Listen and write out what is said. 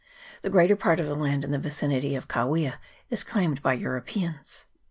The greater part of the land in the vicinity of Kawia is claimed by Europeans.